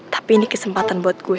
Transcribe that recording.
tapi ini kesempatan buat gue